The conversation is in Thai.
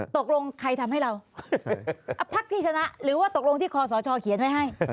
ตกลงใครทำให้เราพักที่ชนะหรือว่าตกลงที่คอสชเขียนไว้ให้